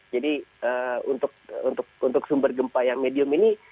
jadi untuk sumber gempa yang medium ini